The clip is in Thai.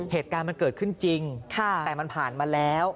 เหตุการณ์มันเกิดขึ้นจริงแต่มันผ่านมาแล้ว